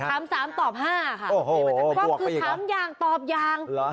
ถามสามตอบห้าค่ะโอ้โหคือถามยังตอบยัง